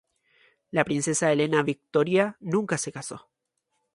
La princesa Elena Victoria nunca se casó.